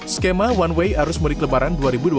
skema one way arus mudik lebaran dua ribu dua puluh